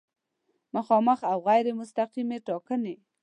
مخامخ او غیر مستقیمې ټاکنې